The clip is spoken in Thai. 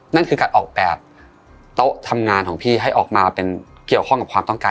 นั่นคือการออกแบบโต๊ะทำงานของพี่ให้ออกมาเป็นเกี่ยวข้องกับความต้องการ